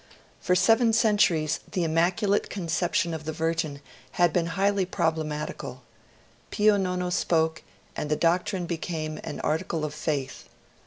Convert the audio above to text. For seven centuries the immaculate conception of the Virgin had been highly problematical; Pio Nono spoke, and the doctrine became an article of faith.